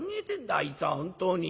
あいつは本当に。